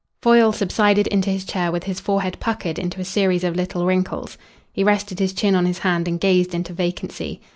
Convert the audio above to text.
Foyle subsided into his chair with his forehead puckered into a series of little wrinkles. He rested his chin on his hand and gazed into vacancy.